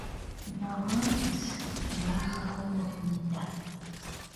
Bawampisi baalwawo okudda.